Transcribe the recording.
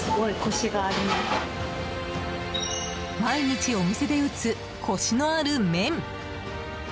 毎日お店で打つ、コシのある麺。